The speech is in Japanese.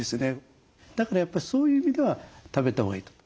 だからやっぱりそういう意味では食べたほうがいいと。